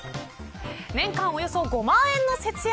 年間およそ５万円の節約。